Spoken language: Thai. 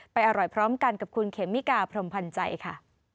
อร่อยพร้อมกันกับคุณเขมิกาพรมพันธ์ใจค่ะ